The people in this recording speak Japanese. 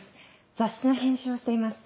雑誌の編集をしています。